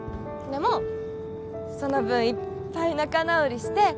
でもその分いっぱい仲直りして